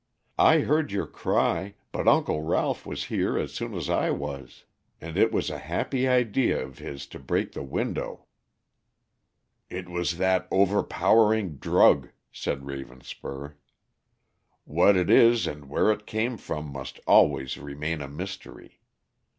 "I heard your cry, but Uncle Ralph was here as soon as I was. And it was a happy idea of his to break the window." "It was that overpowering drug," said Ravenspur. "What it is and where it came from must always remain a mystery.